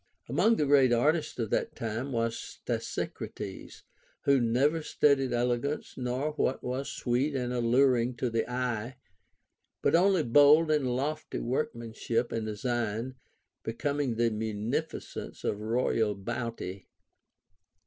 Among the great artists of that time Λvas Stasicrates, who ncA^er studied elegance nor what Avas sweet and alluring to the eye, but only bold and lofty Avorkmanship and design, becoming the munificence of royal bounty.